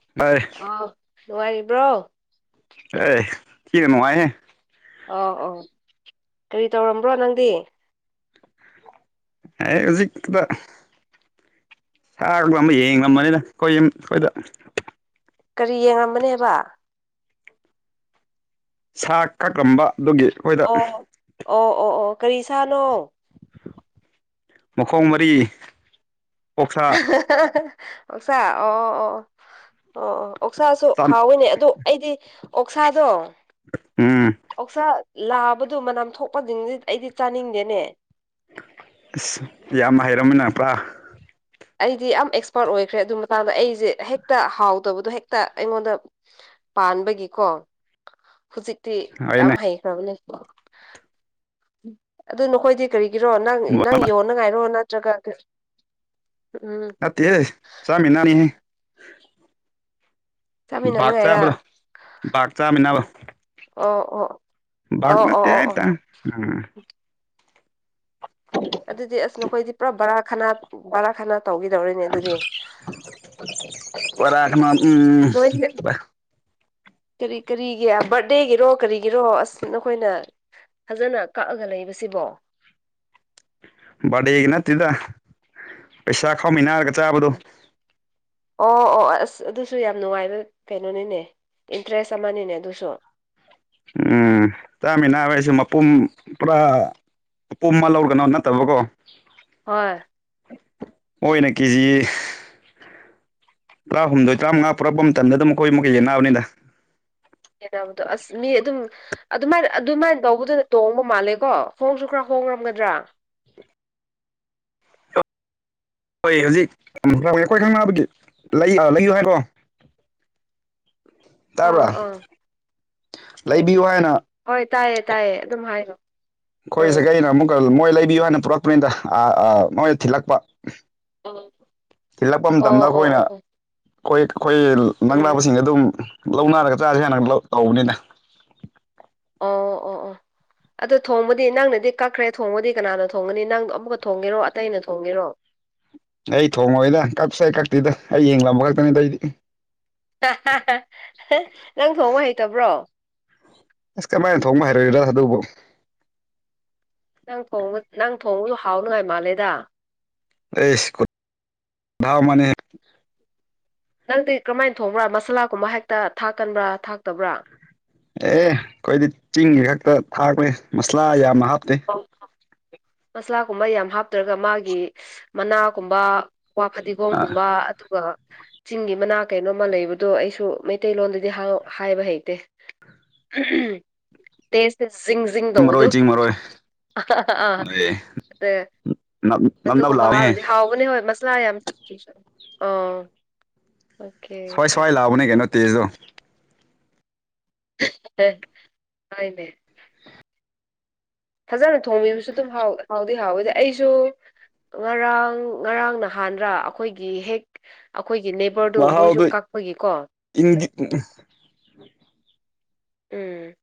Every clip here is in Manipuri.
[unintelligible] ꯑ ꯅꯨꯡꯉꯥꯏꯔꯤꯕ꯭ꯔꯣ ꯑꯦ ꯊꯤꯅꯥ ꯅꯨꯡꯉꯥꯏꯍꯦ ꯑꯧ ꯑꯧ ꯀꯔꯤ ꯇꯧꯔꯝꯕ꯭ꯔꯣ ꯅꯪꯗꯤ ꯍꯧꯖꯤꯛꯇ [unintelligible] ꯌꯦꯡꯂꯝꯕꯅꯤꯅ ꯑꯩꯈꯣꯏ ꯌꯨꯝ ꯑꯩꯈꯣꯏꯗ ꯀꯔꯤ ꯌꯦꯡꯉꯝꯕꯅꯦꯕ ꯁꯥ ꯀꯛꯂꯝꯕ ꯑꯗꯨꯒꯤ ꯑꯩꯈꯣꯏꯗ ꯑꯣ ꯑꯣ ꯑꯣ ꯑꯣ ꯀꯔꯤ ꯁꯥꯅꯣ ꯃꯈꯣꯡ ꯃꯔꯤ ꯑꯣꯛꯁꯥ ꯑꯣꯛꯁꯥ ꯑꯣ ꯑꯣ ꯑꯣ ꯑꯣ ꯑꯣꯛꯁꯥꯁꯨ ꯍꯥꯎꯋꯤꯅꯦ ꯑꯗꯣ ꯑꯩꯗꯤ ꯑꯣꯛꯁꯥꯗꯣ ꯎꯝ ꯑꯣꯛꯁꯥ ꯂꯥꯕꯗꯨ ꯃꯅꯝ ꯊꯣꯛꯄꯁꯤꯡꯗꯤ ꯑꯩꯗꯤ ꯆꯥꯅꯤꯡꯗꯦꯅꯦ ꯑꯁ ꯌꯥꯝ ꯍꯥꯏꯔꯝꯃꯤꯅ ꯄꯨ꯭ꯔꯥ ꯑꯩꯗꯤ ꯌꯥꯝ ꯑꯦꯛꯁꯄꯥꯔꯠ ꯑꯣꯏꯈ꯭ꯔꯦ ꯑꯗꯨ ꯃꯇꯥꯡꯗ ꯑꯩꯁꯦ ꯍꯦꯛꯇ ꯍꯥꯎꯗꯕꯗꯣ ꯍꯦꯛꯇ ꯑꯩꯉꯣꯟꯗ ꯄꯥꯟꯕꯒꯤꯀꯣ ꯍꯧꯖꯤꯛꯇꯤ ꯍꯩꯅꯦ ꯌꯥꯝ ꯍꯩꯈ꯭ꯔꯕꯅꯦ ꯑꯗꯨ ꯅꯈꯣꯏꯗꯤ ꯀꯔꯤꯒꯤꯔꯣ ꯅꯪ ꯅꯪ ꯌꯣꯟꯅ ꯉꯥꯏꯔꯣ ꯅꯪ [unintelligible] ꯎꯝ ꯅꯠꯇꯦ ꯆꯃꯤꯟꯅꯅꯤ ꯆꯃꯤꯟꯅ [unintelligible] ꯍꯥꯏꯔꯥ [unintelligible] ꯆꯥꯃꯤꯅꯕ ꯑꯣ ꯑꯣ [unintelligible] ꯑꯣ ꯑꯣ ꯅꯠꯇꯦ ꯑꯣ ꯑꯣ ꯍꯥꯢꯇꯔꯦ ꯑꯗꯨꯗꯤ ꯑꯁ ꯅꯈꯣꯏꯗꯤ ꯄꯨꯔꯥ ꯕꯔꯥ ꯈꯅꯥ ꯕꯔꯥ ꯈꯅꯥ ꯇꯧꯈꯤꯗꯧꯔꯤꯅꯦ ꯑꯗꯨꯗꯤ ꯀꯣꯔꯥꯛ ꯑꯃ ꯎꯝ ꯅꯣꯏꯁꯦ ꯀꯔꯤ ꯀꯔꯤꯒꯤ ꯕꯥꯔ꯭ꯗꯦꯒꯤꯔꯣ ꯀꯔꯤꯒꯤꯔꯣ ꯑꯁ ꯅꯈꯣꯏꯅ ꯐꯖꯅ ꯀꯛꯑꯒ ꯂꯩꯕꯁꯤꯕꯣ ꯕꯥꯔꯗꯦꯒꯤ ꯅꯠꯇꯦꯗ ꯄꯩꯁꯥ ꯈꯥꯎꯃꯤꯟꯅꯔꯒ ꯆꯥꯕꯗꯨꯣ ꯑꯣ ꯑꯣ ꯑꯁ ꯑꯗꯨꯁꯨ ꯌꯥꯝ ꯅꯨꯡꯉꯥꯏꯕ ꯀꯩꯅꯣꯅꯤꯅꯦ ꯏꯟꯇ꯭ꯔꯦꯁ ꯑꯃꯅꯤꯅꯦ ꯑꯗꯨꯁꯨ ꯎꯝ ꯆꯥꯃꯤꯟꯅꯕ ꯍꯥꯏꯁꯨ ꯃꯄꯨꯝ ꯄꯨꯔꯥ ꯄꯨꯝ ꯑꯃ ꯂꯧꯒꯅꯣ ꯅꯠꯇꯕꯀꯣ ꯍꯣꯏ ꯑꯣꯏꯅ ꯀꯖꯤ ꯍ ꯇꯔꯥꯍꯨꯝꯗꯣꯏ ꯇꯔꯥꯃꯉꯥ ꯄꯨꯔꯄ ꯑꯃ ꯃꯇꯝꯗ ꯈꯣꯏ ꯃꯈꯩ ꯌꯦꯡꯅꯕꯅꯤꯗ ꯌꯦꯡꯅꯕꯗꯣ ꯑꯁ ꯃꯤ ꯑꯗꯨꯝ ꯑꯗꯨꯃꯥꯏꯅ ꯑꯗꯨꯃꯥꯏꯅ ꯇꯧꯕꯗꯅ ꯇꯣꯡꯕ ꯃꯥꯜꯂꯦꯀꯣ ꯍꯣꯡꯁꯨ ꯈꯔ ꯍꯣꯡꯔꯝꯒꯗ꯭ꯔꯥ ꯍꯣꯏ ꯍꯧꯖꯤꯛ [unintelligible] ꯂꯩ ꯂꯩꯌꯣ ꯍꯥꯏꯕꯣ ꯑꯥ ꯇꯥꯕ꯭ꯔꯥ ꯑꯥ ꯎꯝ ꯂꯩꯕꯤꯌꯨ ꯍꯥꯏꯅ ꯍꯣꯏ ꯇꯥꯏꯌꯦ ꯇꯥꯏꯌꯦ ꯑꯗꯨꯝ ꯍꯥꯏꯌꯣ ꯈꯣꯏ ꯎꯝ ꯁꯥꯒꯩꯅ ꯑꯃꯨꯛꯀ ꯃꯣꯏ ꯂꯩꯕꯤꯌꯨ ꯑꯅ ꯄꯨꯔꯛꯄꯅꯤꯗ ꯑꯑ ꯃꯣꯏꯅ ꯊꯤꯜꯂꯛꯄ ꯑꯣ ꯊꯤꯜꯂꯛꯄ ꯃꯇꯝꯗ ꯑꯣ ꯑꯣ ꯑꯩꯈꯣꯏꯅ ꯑꯣ ꯑꯩꯈꯣꯏ ꯑꯩꯈꯣꯏ ꯎꯝ ꯅꯛꯅꯕꯁꯤꯡ ꯑꯗꯨꯝ ꯂꯧꯅꯔꯒ ꯆꯥꯥꯖꯦ ꯍꯥꯢꯅ ꯂꯧ ꯀꯧꯕꯅꯤꯗ ꯑꯣ ꯑꯣ ꯑꯣ ꯑꯗꯨꯗ ꯊꯣꯡꯕꯗꯤ ꯅꯪꯅꯗꯤ ꯀꯛꯈ꯭ꯔꯦ ꯊꯣꯡꯕꯗꯤ ꯀꯅꯥꯅ ꯊꯣꯡꯒꯅꯤ ꯅꯪꯗꯣ ꯑꯃꯨꯛꯀ ꯊꯣꯡꯒꯦꯔꯣ ꯑꯇꯩꯅ ꯊꯣꯡꯒꯦꯔꯣ ꯑꯩ ꯊꯣꯡꯉꯣꯏꯗ ꯀꯞꯁꯨ ꯀꯛꯇꯤꯗ ꯑꯩ ꯌꯦꯡꯂꯝꯕ ꯈꯛꯇꯅꯤꯗ ꯑꯩꯗꯤ ꯍꯥꯍꯥꯍꯥꯍꯡ ꯅꯪ ꯊꯣꯡꯕ ꯍꯩꯇꯕ꯭ꯔꯣ ꯑꯁ ꯀꯃꯥꯏꯅ ꯊꯣꯡꯕ ꯍꯥꯏꯔꯣꯏꯔꯥ ꯑꯗꯨꯕꯨ ꯅꯪ ꯊꯣꯡꯕ ꯅꯪ ꯊꯣꯡꯕꯗꯨ ꯍꯥꯎꯅꯉꯥꯏ ꯃꯥꯜꯂꯦꯗ ꯑꯩꯁ ꯈꯨꯠ ꯗꯥꯎ ꯃꯅꯤ ꯅꯪꯗꯤ ꯀꯃꯥꯏꯅ ꯊꯣꯡꯕ꯭ꯔꯥ ꯃꯁꯥꯂꯥꯒꯨꯝꯕ ꯍꯦꯛꯇ ꯊꯥꯛꯀꯟꯕ꯭ꯔꯥ ꯊꯥꯛꯇꯕ꯭ꯔꯥ ꯑꯦ ꯑꯩꯈꯣꯏꯗꯤ ꯆꯤꯡꯒꯤ ꯈꯛꯇ ꯊꯥꯛꯄꯅꯦ ꯃꯁꯂꯥ ꯌꯥꯝꯅ ꯍꯥꯞꯇꯦ ꯃꯁꯂꯥꯒꯨꯝꯕ ꯌꯥꯝ ꯍꯥꯞꯇ꯭ꯔꯒ ꯃꯥꯒꯤ ꯃꯅꯥꯒꯨꯝꯕ ꯋꯥ ꯑ ꯐꯗꯤꯒꯣꯝꯒꯨꯝꯕ ꯑꯗꯨꯒ ꯆꯤꯡꯒꯤ ꯃꯅꯥ ꯀꯩꯅꯣꯝꯃ ꯂꯩꯕꯗꯣ ꯑꯩꯁꯨ ꯃꯩꯇꯩꯂꯣꯟꯗꯗꯤ ꯍꯧ ꯍꯥꯏꯕ ꯍꯩꯇꯦ [unintelligible] ꯇꯦꯁꯇ ꯖꯤꯡ ꯖꯤꯡ ꯆꯤꯡ ꯇꯧꯕꯗꯨ ꯃꯔꯣꯏ ꯆꯤꯡ ꯃꯔꯣꯏ ꯑꯍꯍꯑ ꯑꯗꯨꯗꯤ ꯇ ꯅꯞ ꯅꯞ ꯅꯞ ꯑꯗꯨꯒꯨꯝꯕ ꯂꯥꯎꯅꯦꯍꯦ ꯍꯥꯎꯔꯗꯤ ꯍꯥꯎ ꯄꯨꯅꯦ ꯍꯣꯏ ꯃꯁꯂꯥ ꯌꯥꯝ ꯇꯤꯁꯨ ꯑ ꯁ꯭ꯋꯥꯏ ꯁꯋꯥꯏ ꯂꯥꯎꯕꯅꯦ ꯀꯩꯅꯣ ꯇꯦꯖꯗꯣ ꯍ ꯍꯣꯏꯅꯦ ꯐꯖꯅ ꯊꯣꯡꯕꯤꯕꯁꯨ ꯑꯗꯨꯝ ꯍꯥꯎ ꯍꯥꯎꯗꯤ ꯍꯥꯎꯋꯦꯗꯤ ꯑꯩꯁꯨ ꯉꯔꯥꯡ ꯉꯔꯥꯡ ꯅꯍꯥꯟꯔ ꯑꯩꯈꯣꯏꯒꯤ ꯍꯦꯛ ꯑꯩꯈꯣꯏꯒꯤ ꯅꯦꯕꯔꯗꯣ ꯃꯣꯏꯁꯨ ꯃꯍꯥꯎꯗꯣ ꯀꯛꯄꯒꯤ ꯀꯣ ꯏꯪꯗꯤ ꯄꯨꯛꯎ ꯎꯝ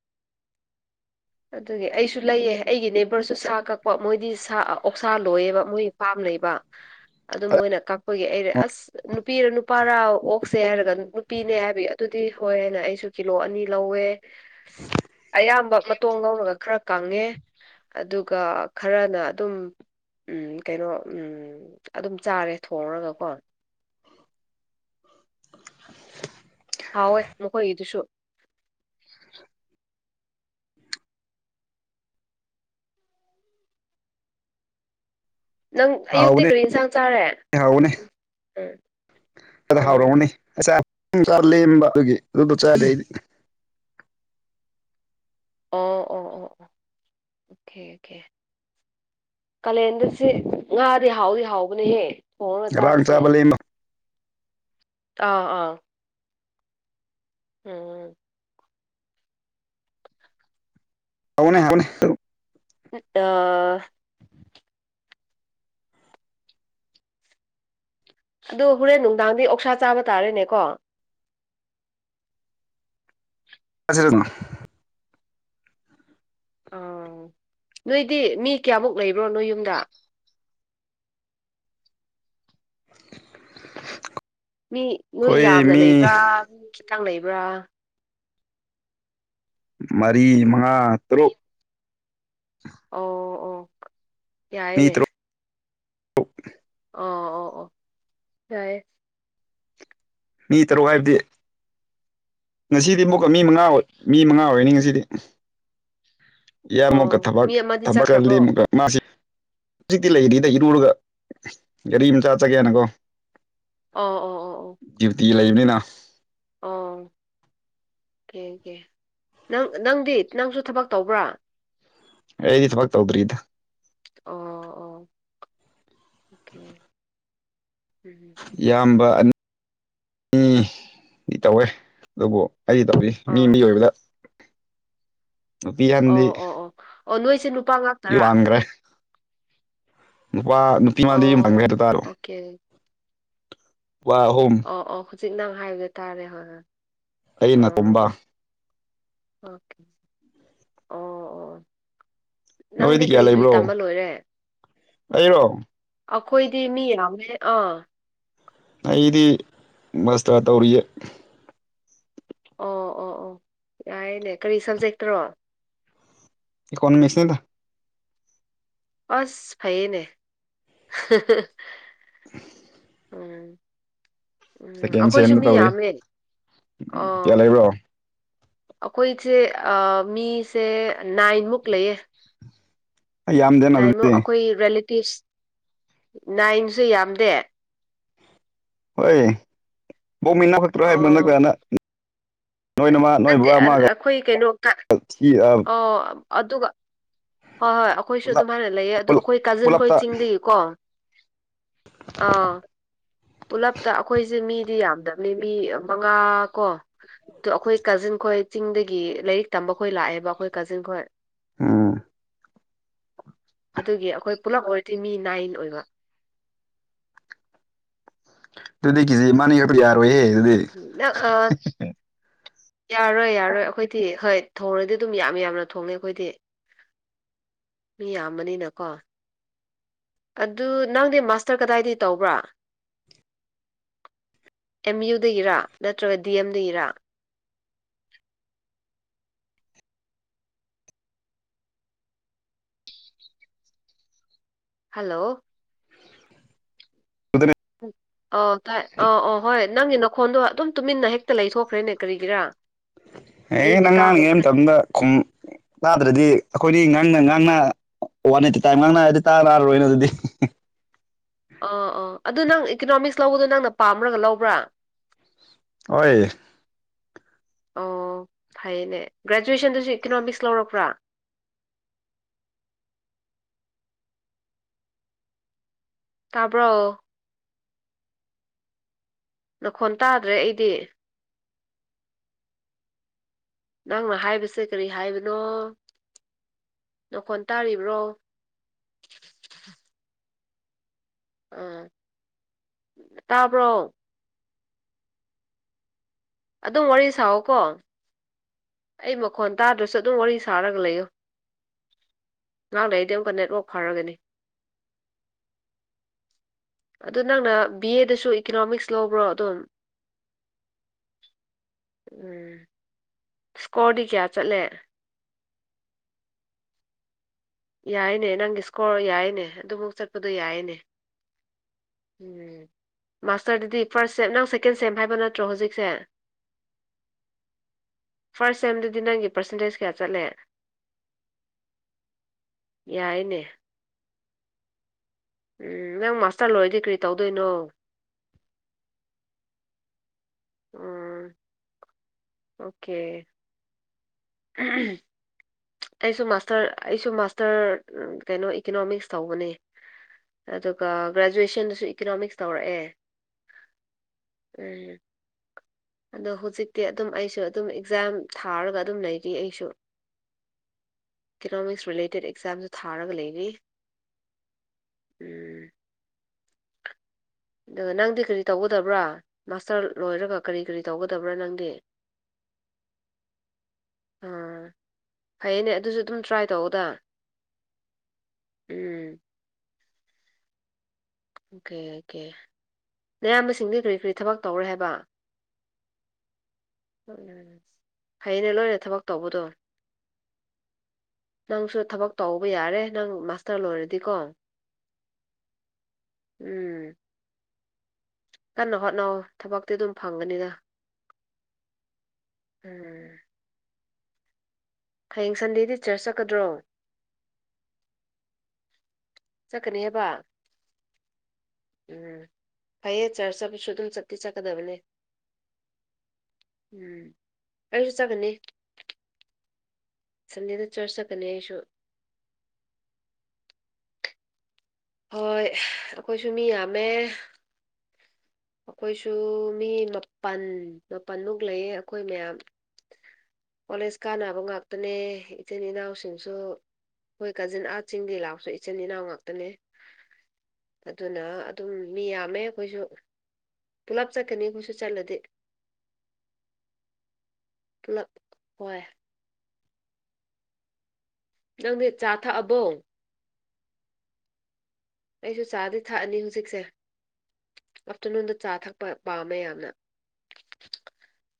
ꯑꯗꯨꯒꯤ ꯑꯩꯁꯨ ꯂꯩꯌꯦ ꯑꯩꯒꯤ ꯅꯦꯕꯔꯁꯨ ꯁꯥ ꯀꯛꯄ ꯃꯣꯏꯗꯤ ꯁꯥ ꯑꯣꯛꯁꯥ ꯂꯣꯏꯌꯦꯕ ꯃꯣꯏ ꯄꯥꯝ ꯂꯩꯩꯕ ꯑꯗꯨ ꯃꯣꯏꯅ ꯀꯛꯄꯒꯤ ꯑꯩꯔꯥ ꯑꯁ ꯅꯨꯄꯤꯔꯥ ꯅꯨꯄꯥꯔꯥ ꯑꯣꯛꯁꯦ ꯍꯥꯏꯔꯒ ꯅꯨꯄꯤꯅꯦ ꯍꯥꯏꯕꯒꯤ ꯑꯗꯨꯗꯤ ꯍꯣꯏꯅ ꯑꯩꯁꯨ ꯀꯤꯂꯣ ꯑꯅꯤ ꯂꯧꯋꯦ ꯑꯌꯥꯝꯕ ꯃ ꯇꯣꯡ ꯂꯧꯔꯒ ꯈꯔ ꯀꯪꯉꯦ ꯑꯗꯨꯒ ꯈꯔꯅ ꯑꯗꯨꯝ ꯎꯝ ꯀꯩꯅꯣ ꯎꯝ ꯑꯗꯨꯝ ꯆꯥꯔꯦ ꯊꯣꯡꯔꯒꯀꯣ ꯍꯥꯎꯋꯦ ꯃꯈꯣꯏꯒꯤꯗꯨꯁꯨ ꯅꯪ ꯑꯌꯨꯛꯇꯤ ꯍꯥꯎꯕꯅꯦ ꯀꯔꯤ ꯏꯟꯁꯥꯡ ꯆꯥꯔꯦ ꯍꯥꯎꯕꯅꯦ ꯎ ꯎꯝ ꯎꯝ ꯉꯁꯥꯏ ꯀꯔ ꯂꯦꯝꯕ ꯑꯗꯨꯒꯤ ꯑꯗꯨꯗꯣ ꯆꯔꯦ ꯑꯩꯗꯤ ꯑꯣ ꯑꯣ ꯑꯣ ꯑꯣ ꯑꯣꯀꯦ ꯀꯥꯂꯦꯟꯗꯔꯁꯦ ꯉꯥꯗꯤ ꯍꯥꯎꯗꯤ ꯍꯥꯎꯕꯅꯦꯍꯦ ꯑꯣꯔ ꯉꯔꯥꯡ ꯑꯦꯖꯥꯞꯁꯦ ꯆꯥꯕ ꯂꯦꯝꯕ ꯑꯥ ꯑꯥ ꯑꯣꯝ ꯍꯥꯎꯅꯦ ꯍꯥꯏꯕꯅꯦ ꯠꯇ ꯑꯗꯨ ꯍꯣꯔꯦꯟ ꯅꯨꯡꯗꯥꯡꯗꯤ ꯑꯣꯛꯁꯥ ꯆꯥꯕ ꯇꯥꯔꯦꯅꯦ ꯀꯣ ꯀꯥꯔꯖꯂꯣꯅꯥ ꯑ ꯅꯣꯏꯗꯤ ꯃꯤ ꯀꯌꯥꯃꯨꯛ ꯂꯩꯕ꯭ꯔꯣ ꯅꯣꯏ ꯌꯨꯝꯗ ꯃꯤ ꯅꯣꯏ ꯑꯩꯈꯣꯏ ꯌꯥꯝꯅ ꯃꯤ ꯂꯩꯕ꯭ꯔꯥ ꯃꯤ ꯈꯤꯇꯪ ꯂꯩꯕ꯭ꯔꯥ ꯃꯔꯤ ꯃꯉꯥ ꯇꯔꯨꯛ ꯑꯣ ꯑꯣ ꯃꯤ ꯌꯥꯏꯅꯦ ꯇꯔꯨꯛ ꯑꯣ ꯑꯣ ꯑꯣ ꯍꯌꯦ ꯃꯤ ꯇꯔꯨꯛ ꯍꯥꯏꯕꯗꯤ ꯉꯁꯤꯗꯤ ꯑꯃꯨꯛꯀ ꯃꯤ ꯃꯉꯥ ꯃꯤ ꯃꯉꯥ ꯑꯣꯏꯔꯅꯤ ꯉꯁꯤꯗꯤ ꯏ ꯑꯃꯨꯛꯀ ꯑꯣ ꯊꯕꯛ ꯃꯤ ꯑꯃꯗꯤ ꯊꯕꯛꯗꯤ ꯆꯠꯈ꯭ꯔꯕ꯭ꯔꯣ ꯑꯃꯨꯛꯀ ꯃꯥꯁꯤ ꯍꯧꯖꯤꯛꯇꯤ ꯂꯩꯔꯤꯗ ꯏꯔꯨꯔꯒ ꯒꯥꯔꯤ ꯑꯃꯝ ꯆꯠ ꯆꯒꯦꯅꯀꯣ ꯑꯣ ꯑꯣ ꯑꯣ ꯑꯣ ꯗ꯭ꯌꯨꯇꯤ ꯂꯩꯕꯅꯤꯅ ꯑꯣꯀꯦꯀꯦ ꯅꯪ ꯅꯪꯗꯤ ꯅꯪꯁꯨ ꯊꯕꯛ ꯇꯧꯕ꯭ꯔꯥ ꯑꯦꯗꯤ ꯊꯕꯛ ꯇꯧꯗꯔ꯭ꯤꯗ꯫ ꯑꯣ ꯑꯣ ꯑꯣꯀꯦ ꯎꯝ꯫ ꯏꯌꯥꯝꯕ ꯑꯅꯤ ꯑꯅꯤ ꯇꯧꯋꯦ ꯑꯗꯨꯕꯨ ꯑꯩ ꯇꯧꯔꯤ꯫ ꯃꯤ ꯃꯤ ꯑꯥ ꯑꯣꯏꯕꯗ꯫ ꯅꯨꯄꯤ ꯑꯣ ꯑꯣ ꯑꯣ ꯑꯣ ꯅꯣꯏꯁꯦ ꯅꯨꯄꯥ ꯉꯥꯛ꯫ ꯏꯋꯥꯡꯒ꯭ꯔꯦ꯫ ꯅꯨꯄꯥ ꯅꯨꯄꯤꯃꯗꯤ ꯌꯨꯝ ꯐꯪꯒꯦ ꯑꯣ ꯍꯥꯏꯛꯇ ꯇꯥꯔꯣ꯫ ꯑꯣꯀꯦ꯫ ꯋꯥ ꯍꯣꯝ ꯑꯣ ꯑꯣ ꯍꯧꯖꯤꯛ ꯅꯪ ꯍꯥꯏꯕꯗ ꯇꯥꯔꯦ ꯍꯣꯏ ꯍꯣꯏ ꯑꯩꯅ ꯇꯨꯝꯕ ꯑꯣ ꯑꯣꯀꯦ ꯑꯣ ꯑꯣ ꯅꯪꯗꯤ ꯅꯣꯏꯗꯤ ꯀꯌꯥ ꯀꯔꯤ ꯀꯔꯤ ꯂꯩꯕ꯭ꯔꯣ ꯇꯝꯕ ꯂꯣꯏꯔꯦ ꯑꯩꯔꯣ ꯑꯩꯈꯣꯏꯗꯤ ꯃꯤ ꯌꯥꯝꯃꯦ ꯑꯥ ꯑꯩꯗꯤ ꯃꯁꯇꯔ ꯇꯧꯔꯤꯌꯦ ꯑꯣ ꯑꯣ ꯑꯣ ꯌꯥꯏꯅꯦ ꯀꯔꯤ ꯁꯕꯖꯦꯛꯇꯔꯣ ꯏꯀꯣꯅꯣꯃꯤꯛꯁꯗ ꯑꯁ ꯐꯌꯦꯅꯦ [inaudible] ꯎꯝ ꯎꯝ ꯁꯦꯀꯦꯟ ꯑꯩꯈꯣꯏꯁꯨ ꯁꯦꯝꯗ ꯃꯤ ꯇꯧꯔꯤ ꯌꯥꯝꯃꯦ ꯎꯝ ꯑꯣ꯫ ꯀꯌꯥ ꯂꯩꯕ꯭ꯔꯣ ꯑꯩꯈꯣꯏꯁꯦ ꯃꯤꯁꯦ ꯅꯥꯏꯟꯃꯨꯛ ꯂꯩꯌꯦ꯫ ꯑꯩ ꯌꯥꯝꯗꯦꯅ ꯅꯥꯏꯃꯨ ꯑꯗꯨꯗꯤ ꯑꯩꯈꯣꯏ ꯔꯤꯂꯦꯇꯤꯞꯁ ꯅꯥꯏꯟꯁꯨ ꯌꯥꯝꯗꯦ꯫ ꯍꯣꯏ ꯕꯧꯃꯅꯥꯐ꯫ ꯑꯣ ꯅꯠꯇꯦ ꯑꯩꯈꯣꯏ ꯀꯩꯅꯣ [unintelligible] ꯑꯣ ꯑꯗꯨꯒ ꯍꯣꯏ ꯍꯣꯏ ꯑꯩꯈꯣꯏꯁꯨ ꯄꯨꯂꯞ ꯑꯗꯨꯝ ꯍꯥꯟꯅ ꯂꯩꯌꯦ ꯑꯗꯨ ꯄꯨꯂꯞ ꯑꯩꯈꯣꯏ ꯀꯥꯖꯤꯟ ꯈꯣꯏ ꯄꯨꯂꯞꯇ ꯆꯤꯡꯗꯒꯤꯀꯣ꯫ ꯑꯥ꯫ ꯄꯨꯂꯞꯇ ꯑꯩꯈꯣꯏꯁꯦ ꯃꯤꯗꯤ ꯌꯥꯝꯗꯕꯅꯤ ꯃꯤ ꯃꯉꯥꯀꯣ꯫ ꯗꯣ ꯑꯩꯈꯣꯏ ꯀꯥꯖꯤꯟ ꯈꯣꯏ ꯆꯤꯡꯗꯒꯤ ꯂꯥꯏꯔꯤꯛ ꯇꯝꯕ ꯈꯣꯏ ꯂꯥꯛꯑꯦꯕ ꯑꯩꯈꯣꯏ ꯀꯥꯖꯤꯟꯈꯣꯏ꯫ ꯎꯝ꯫ ꯑꯗꯨꯒꯤ ꯑꯩꯈꯣꯏ ꯄꯨꯂꯞ ꯑꯣꯏꯔꯗꯤ ꯃꯤ ꯅꯥꯏꯟ ꯑꯣꯏꯕ꯫ ꯑꯗꯨꯗꯤꯈꯤꯁꯤꯃꯅꯤꯒ ꯌꯥꯔꯣꯏꯍꯦ꯫ ꯑꯗꯨꯗꯤ ꯎꯝ꯫ [unintelligible] ꯌꯥꯔꯣꯏ ꯌꯥꯔꯣꯏ ꯑꯩꯈꯣꯏꯗꯤ ꯍꯣꯏ ꯊꯣꯡꯔꯗꯤ ꯑꯗꯨꯝ ꯌꯥꯝ ꯌꯥꯝꯅ ꯊꯣꯡꯅꯤ ꯑꯩꯈꯣꯏꯗꯤ꯫ ꯃꯤ ꯌꯥꯝꯕꯅꯤꯅꯀꯣ꯫ ꯑꯗꯨ ꯅꯪꯗꯤ ꯃꯥꯁꯇꯔ ꯀꯗꯥꯏꯗꯒꯤ ꯇꯧꯕ꯭ꯔꯥ꯫ ꯑꯦꯝ ꯌꯨꯗꯒꯤꯔꯥ ꯅꯠꯇ꯭ꯔꯒ ꯗꯤ ꯑꯦꯝꯗꯒꯤꯗꯒꯤꯔꯥ꯫ ꯍꯜꯂꯣ꯫ ꯑꯗꯨꯅꯦ꯫ ꯎꯝ ꯑꯧ ꯇꯥꯏ ꯑ ꯑꯧ ꯍꯣꯏ ꯅꯪꯒꯤ ꯅꯈꯣꯟꯗꯣ ꯑꯗꯨꯝ ꯇꯨꯃꯤꯟꯅ ꯍꯦꯛꯇ ꯂꯩꯊꯣꯛꯈ꯭ꯔꯦꯅꯦ ꯀꯔꯤꯒꯤꯔꯥ꯫ ꯑꯦ ꯑꯩꯕꯨ ꯇꯥꯗꯕ ꯅꯪꯉꯥꯡꯉꯤꯒꯩ ꯃꯥꯇꯝꯗ ꯈꯨꯝ꯫ ꯇꯥꯗ꯭ꯔꯗꯤ ꯑꯩꯈꯣꯏꯅꯤ ꯉꯥꯡꯅ ꯉꯥꯡꯅ ꯋꯥꯟ ꯑꯩꯠꯇꯤ ꯇꯥꯏꯝ ꯉꯥꯡꯅꯗꯤ ꯇꯥ ꯂꯥꯔꯔꯣꯏꯅ ꯑꯗꯨꯗꯤ꯫ ꯑꯣ ꯑꯣ ꯑꯗꯨ ꯅꯪ ꯏꯀꯅꯣꯃꯤꯛꯁ ꯂꯧꯕꯗꯣ ꯅꯪꯅ ꯄꯥꯝꯔꯒ ꯂꯧꯕ꯭ꯔꯥ꯫ ꯑꯣꯏ꯫ ꯑꯣ ꯐꯩꯅꯦ ꯒ꯭ꯔꯦꯖꯨꯋꯦꯁꯟꯗꯨꯁꯨ ꯏꯀꯣꯅꯣꯃꯤꯛꯁ ꯂꯧꯔꯛꯄ꯭ꯔꯥ꯫ ꯇꯥꯕ꯭ꯔꯣ꯫ ꯅꯈꯣꯟ ꯇꯥꯗ꯭ꯔꯦ ꯑꯩꯗꯤ꯫ ꯅꯪꯅ ꯍꯥꯏꯕꯁꯦ ꯀꯔꯤ ꯍꯥꯏꯕꯅꯣ꯫ ꯅꯈꯣꯟ ꯇꯥꯔꯤꯕ꯭ꯔꯣ꯫ ꯑꯥ ꯇꯥꯕ꯭ꯔꯣ꯫ ꯑꯗꯨꯝ ꯋꯥꯔꯤ ꯁꯥꯑꯣ ꯀꯣ ꯑꯩ ꯃꯈꯣꯟ ꯇꯥꯗ꯭ꯔꯁꯨ ꯑꯗꯨꯝ ꯋꯥꯔꯤ ꯁꯥꯔꯒ ꯂꯩꯌꯣ ꯉꯍꯥꯡꯅ ꯑꯩꯗꯤ ꯑꯃꯛꯀ ꯅꯦꯠꯋꯥꯛ ꯐꯔꯒꯅꯤ ꯑꯗꯨ ꯅꯪꯅ ꯕꯤ ꯑꯦꯗꯁꯨ ꯏꯀꯅꯣꯃꯤꯛꯁ ꯂꯧꯕ꯭ꯔꯣ ꯑꯗꯨꯝ ꯎꯝ ꯁ꯭ꯀꯣꯔꯗꯤ ꯀꯌꯥ ꯆꯠꯂꯦ ꯌꯥꯏꯅꯦ ꯅꯪꯒꯤ ꯏꯁꯀꯣꯔ ꯌꯥꯏꯅꯦ ꯑꯗꯨꯃꯨ ꯆꯠꯄꯗꯣ ꯌꯥꯏꯅꯦ ꯎꯝ ꯃꯥꯁꯇꯔꯗꯗꯤ ꯐꯥꯔꯁ ꯁꯦꯞ ꯅꯪ ꯁꯦꯀꯦꯟ ꯁꯦꯝ ꯍꯥꯏꯕ ꯅꯠꯇ꯭ꯔꯣ ꯍꯧꯖꯤꯛꯁꯦ꯫ ꯐꯥꯔꯁ ꯁꯦꯝꯗꯨꯗꯤ ꯅꯪꯒꯤ ꯄꯔꯁꯦꯟꯇꯦꯖ ꯀꯌꯥ ꯆꯠꯂꯦ꯫ ꯌꯥꯏꯅꯦ꯫ ꯎꯝ ꯅꯪ ꯃꯥꯁꯇꯔ ꯂꯣꯏꯔꯗꯤ ꯀ꯭ꯔꯤ ꯇꯧꯗꯣꯏꯅꯣ꯫ ꯎꯝ꯫ ꯑꯣꯀꯦ꯫ ꯎꯝ ꯎꯝ꯫ ꯑꯩꯁꯨ ꯃꯥꯁꯇꯔ ꯑꯩꯁꯨ ꯃꯥꯁꯇꯔ ꯀꯩꯅꯣ ꯏꯀꯣꯅꯣꯃꯤꯛꯁ ꯇꯧꯕꯅꯦ꯫ ꯑꯗꯨꯒ ꯒ꯭ꯔꯦꯖꯨꯑꯦꯁꯟꯗꯁꯨ ꯏꯀꯅꯣꯃꯤꯛꯁ ꯇꯧꯔꯛꯑꯦ꯫ ꯎꯝ꯫ ꯑꯗꯣ ꯍꯧꯖꯤꯛꯇꯤ ꯑꯗꯨꯝ ꯑꯩꯁꯨ ꯑꯗꯨꯝ ꯑꯦꯛꯖꯥꯝ ꯊꯥꯔꯒ ꯑꯗꯨꯝ ꯂꯩꯔꯤ ꯑꯩꯁꯨ ꯏꯀꯣꯅꯣꯃꯤꯛꯁ ꯔꯤꯂꯦꯇꯦꯠ ꯑꯦꯛꯖꯥꯝꯁꯨ ꯊꯥꯔꯒ ꯂꯩꯔꯤ ꯎꯝ ꯑꯗꯨꯒ ꯅꯪꯗꯤ ꯀꯔꯤ ꯇꯧꯒꯗꯕ꯭ꯔꯥ ꯃꯥꯁꯇꯔ ꯂꯣꯏꯔꯒ ꯀꯔꯤ ꯀꯔꯤ ꯇꯧꯒꯗꯕ꯭ꯔꯥ ꯅꯪꯗꯤ [inaudible] ꯑꯥ ꯐꯩꯌꯦꯅꯦ ꯑꯗꯨꯁꯨ ꯑꯗꯨꯝ ꯇ꯭ꯔꯥꯏ ꯇꯧꯧꯕꯗ ꯎꯝ ꯑꯣꯀꯦ ꯑꯣꯀꯦ ꯑꯌꯥꯝꯕꯁꯤꯡꯗꯤ ꯀꯔꯤ ꯀꯔꯤ ꯊꯕꯛ ꯇꯧꯔꯦ ꯍꯥꯏꯕ ꯍꯣꯏ ꯐꯌꯦꯅꯦ ꯂꯣꯏꯅ ꯊꯕꯛ ꯇꯧꯕꯗꯣ ꯅꯪꯁꯨ ꯊꯕꯛ ꯇꯧꯧꯕ ꯌꯥꯔꯦ ꯅꯪ ꯃꯥꯁꯇꯔ ꯂꯣꯏꯔꯗꯤꯀꯣ ꯎꯝ ꯀꯟꯅ ꯍꯣꯠꯅꯧ ꯊꯕꯛꯇꯤ ꯑꯗꯨꯝ ꯐꯪꯒꯅꯤꯗ ꯎꯝ ꯍꯌꯦꯡ ꯁꯟꯗꯦꯗꯤ ꯆꯔꯆ ꯆꯠꯀꯗ꯭ꯔꯣ ꯆꯠꯀꯅꯤ ꯍꯥꯏꯕ ꯎꯝ ꯐꯩꯌꯦꯦ ꯆꯥꯔ ꯆꯄꯁꯨ ꯑꯗꯨꯝ ꯆꯠꯇꯠꯇꯤ ꯆꯠꯀꯗꯕꯅꯦ ꯎꯝ ꯀꯁꯨ ꯆꯒꯅꯤ ꯁꯟꯗꯦꯗ ꯆꯔꯆ ꯆꯠꯀꯅꯤ ꯑꯩꯁꯨ ꯍꯣꯏ ꯑꯩꯈꯣꯏꯁꯨ ꯃꯤ ꯌꯥꯝꯃꯦ ꯑꯩꯈꯣꯏꯁꯨ ꯃꯤ ꯃꯥꯄꯜ ꯃꯥꯄꯜꯃꯨꯛ ꯂꯩꯌꯦ ꯑꯩꯈꯣꯏ ꯃꯌꯥꯝ ꯀꯣꯂꯦꯖ ꯀꯥꯟꯅꯕ ꯉꯥꯛꯇꯅꯦ ꯏꯆꯤꯟ ꯏꯅꯥꯎꯁꯤꯡꯁꯨ ꯍꯣꯏ ꯀꯥꯖꯤꯟ ꯑꯥ ꯆꯤꯡ ꯂꯥꯛꯄꯁꯨ ꯏꯆꯤꯟ ꯏꯅꯥꯎ ꯉꯥꯛꯇꯅꯦ ꯑꯗꯨꯅ ꯑꯗꯨꯝ ꯃꯤ ꯌꯥꯝꯃꯦ ꯑꯩꯈꯣꯏꯁꯨ ꯄꯨꯂꯞ ꯆꯠꯀꯅꯤ ꯑꯩꯈꯣꯏꯁꯨ ꯆꯠꯂꯗꯤꯦ ꯍꯣꯏ ꯅꯪꯗꯤ ꯆꯥ ꯊꯛꯑꯕꯣ ꯑꯩꯁꯨ ꯆꯥꯗꯤ ꯊꯛꯑꯅꯤ ꯍꯧꯖꯤꯛꯁꯦ ꯑꯥꯐꯇꯔꯅꯨꯟꯗ ꯆꯥ ꯊꯛꯄ ꯄꯥꯝꯃꯦ ꯌꯥꯝꯅ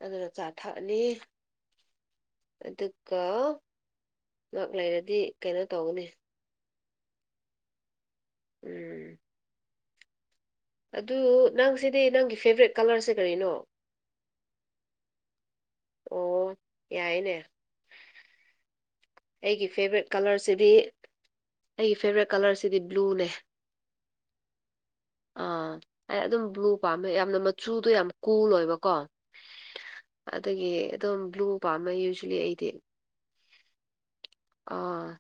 ꯑꯗꯨꯅ ꯆꯥ ꯊꯛꯑꯅꯤ ꯑꯗꯨꯒ ꯉꯥꯛ ꯂꯩꯔꯗꯤ ꯀꯩꯅꯣ ꯇꯧꯒꯅꯤ ꯎꯝ ꯑꯗꯨ ꯅꯪꯁꯤꯗꯤ ꯅꯪꯒꯤ ꯐꯦꯕꯣꯔꯦꯠ ꯀꯂꯔꯁꯦ ꯀꯔꯤꯅꯣ ꯑꯣ ꯌꯥꯏꯅꯦ ꯑꯩꯒꯤ ꯐꯦꯕꯣꯔꯥꯏꯠ ꯀꯂꯔꯁꯤꯗꯤ ꯑꯩꯒꯤ ꯐꯦꯕꯣꯔꯥꯏꯠ ꯀꯂꯔꯁꯤꯗꯤ ꯕ꯭ꯂꯨꯅꯦ ꯑꯥ ꯑꯩ ꯑꯗꯨꯝ ꯕ꯭ꯂꯨ ꯄꯥꯝꯃꯦ ꯌꯥꯝꯅ ꯃꯆꯨꯗꯣ ꯌꯥꯝ ꯀꯨꯜ ꯑꯣꯏꯕꯀꯣ ꯑꯗꯒꯤ ꯑꯗꯨꯝ ꯕ꯭ꯂꯨ ꯄꯥꯝꯃ ꯌꯨꯖꯂꯤ ꯑꯩꯗꯤ ꯑ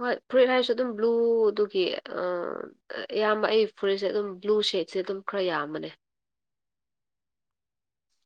ꯍꯣꯏ ꯐꯨꯔꯤꯠ ꯍꯥꯏꯔꯁꯨ ꯑꯗꯨꯝ ꯕ꯭ꯂꯨ ꯑꯗꯨꯒꯤ ꯑ ꯏꯌꯥꯝꯕ ꯑꯩ ꯐꯨꯔꯤꯠꯁꯦ ꯑꯗꯨꯝ ꯕ꯭ꯂꯨ ꯁꯦꯠꯁꯦ ꯑꯗꯨꯝ ꯈꯔ ꯌꯥꯝꯕꯅꯦ